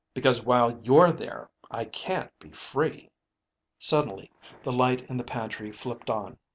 Because while you're there, I can't be free." Suddenly the light in the pantry flipped on.